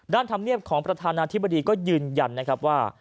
ด้านทำเนียบของประธานาธิบดีก็ยืนยันครับว่า